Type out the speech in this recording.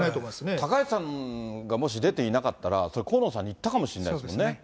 高市さんがもし出ていなかったら、河野さんにいったかもしれないですもんね。